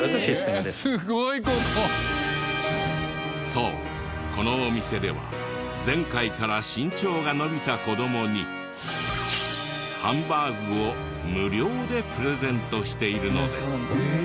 そうこのお店では前回から身長が伸びた子どもにハンバーグを無料でプレゼントしているのです。